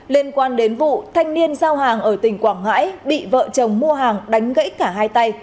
liên quan đến vụ thanh niên giao hàng ở tỉnh quảng ngãi bị vợ chồng mua hàng đánh gãy cả hai tay